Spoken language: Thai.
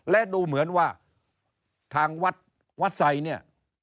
และดูเหมือนว่าทางวัดวัดไซค์เนี่ย